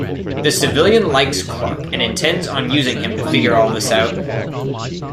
The civilian likes Clark and intends on using him to figure all this out.